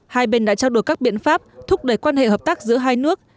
hai bên đã trao đổi các biện pháp thúc đẩy quan hệ hợp tác giữa hai nước